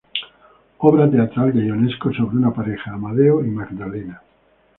Obra teatral de Ionesco, sobre una pareja, Amadeo y Magdalena.